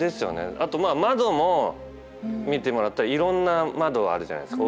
あと窓も見てもらったらいろんな窓あるじゃないですか。